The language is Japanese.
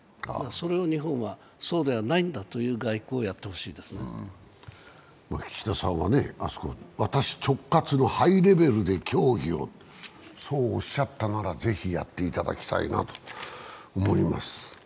それはそうではないんだという岸田さんはね、私直轄のハイレベルで協議をそうおっしゃったならぜひ、やっていただきたいとな思います。